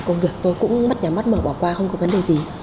công việc tôi cũng mắt nhắm mắt mở bỏ qua không có vấn đề gì